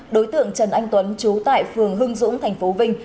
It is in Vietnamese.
đối tượng trần anh tuấn trú tại phường hưng dũng thành phố vinh